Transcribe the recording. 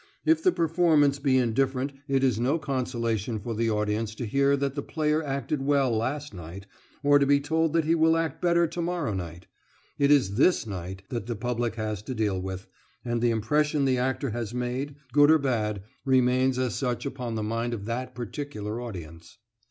If the performance be indifferent it is no consolation for the audience to hear that the player acted well last night, or to be told that he will act better to morrow night; it is this night that the public has to deal with, and the impression the actor has made, good or bad, remains as such upon the mind of that particular audience.